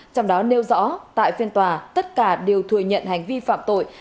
trong đó nêu rõ tại phiên tòa tất cả đều thừa nhận hành vi phạm tội